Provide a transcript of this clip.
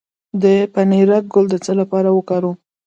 د پنیرک ګل د څه لپاره وکاروم؟